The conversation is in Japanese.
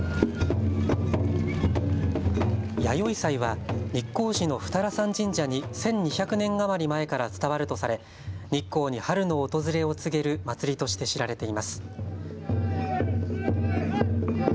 弥生祭は日光市の二荒山神社に１２００年余り前から伝わるとされ日光に春の訪れを告げる祭りとして知られています。